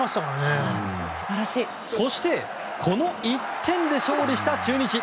そしてこの１点で勝利した中日。